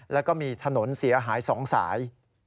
แล้วก็มีถนนเสียหาย๒สาย